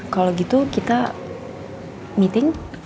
kalau gitu kita meeting